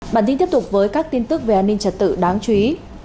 bản tin tiếp tục với các tin tức về an ninh trật tự đáng chú ý